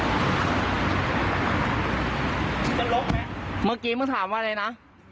นะน้องก็จะมาเข้าห้องน้ำที่ปั๊มค่ะแล้วก็ถูกถามถูกชัดชวนในเชิงกิจกรรมทางเพศเนี่ย